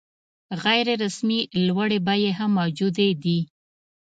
غیر رسمي لوړې بیې هم موجودې دي.